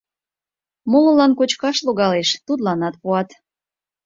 Молылан кочкаш логалеш — тудланат пуат.